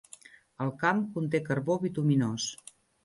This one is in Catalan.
El camp conté carbó bituminós.